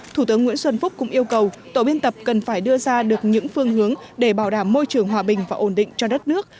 thủ tướng nguyễn xuân phúc cũng yêu cầu tổ biên tập cần phải đưa ra được những phương hướng để bảo đảm môi trường hòa bình và ổn định cho đất nước